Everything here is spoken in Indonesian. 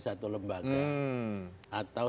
satu lembaga atau